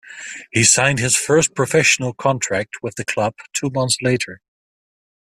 He signed his first professional contract with the club two months later.